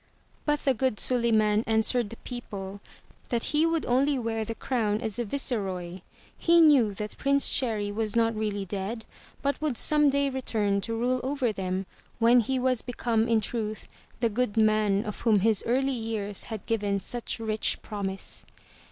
But the good Suliman answered the people that he would only wear the crown as a viceroy. He knew that Prince Cherry was not really dead, but would some day return, to rule over them, when he was become in truth the good man of whom his early years had given such rich promise.